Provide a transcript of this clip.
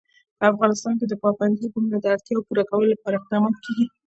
په افغانستان کې د پابندی غرونه د اړتیاوو پوره کولو لپاره اقدامات کېږي.